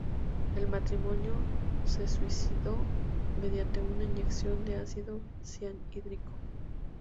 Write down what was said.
El matrimonio se suicidó mediante una inyección de ácido cianhídrico.